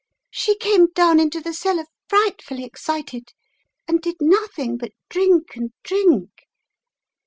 She 2ame down into the cellar frightfully excited and did nothing but drink and drink.